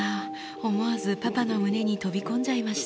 思わずパパの胸に飛び込んじゃいました